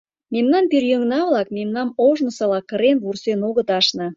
Мемнан пӧръеҥна-влак мемнам ожнысыла кырен-вурсен огыт ашне.